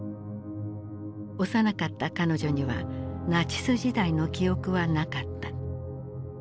幼かった彼女にはナチス時代の記憶はなかった。